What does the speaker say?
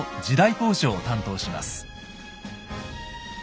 考証を担当します。